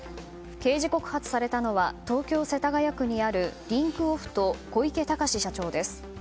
刑事告発されたのは東京・世田谷区にあるリンクオフと小池隆志社長です。